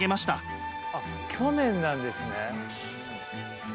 あっ去年なんですね。